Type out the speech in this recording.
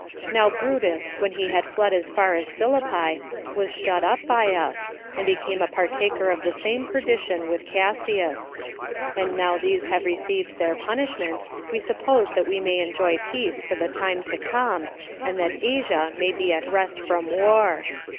Now Brutus, when he had fled as far as Philippi, was shut up by us, and became a partaker of the same perdition with Cassius; and now these have received their punishment, we suppose that we may enjoy peace for the time to come, and that Asia may be at rest from war.